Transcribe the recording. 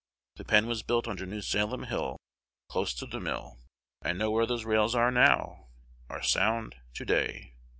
The pen was built under New Salem hill, close to the mill.... I know where those rails are now; are sound to day."